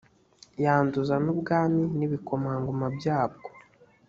yanduza n ubwami n ibikomangoma byabwo